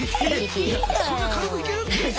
そんな軽くいける？